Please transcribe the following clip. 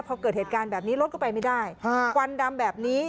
พอเกิดเหตุการณ์แบบนี้รถก็ไปไม่ได้ควันดำแบบนี้